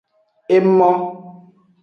Emo.